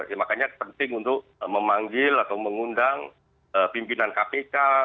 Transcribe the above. ya makanya penting untuk memanggil atau mengundang pimpinan kpk